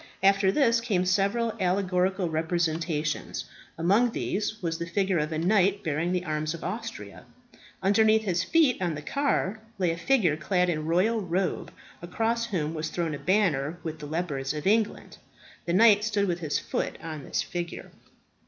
After this came several allegorical representations. Among these was the figure of a knight bearing the arms of Austria. Underneath his feet, on the car, lay a figure clad in a royal robe, across whom was thrown a banner with the leopards of England. The knight stood with his foot on this figure.